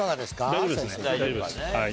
大丈夫ですね大丈夫です。